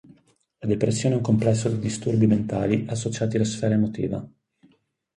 La depressione è un complesso di disturbi mentali associati alla sfera emotiva.